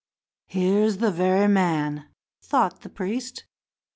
"Here's the very man," thought the priest.